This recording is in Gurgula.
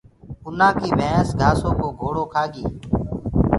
اُنآ ڪي ڀينس گھآسو ڪو گھوڙو کآگي۔